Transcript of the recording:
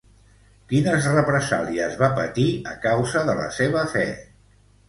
Quines represàlies va patir a causa de la seva fe?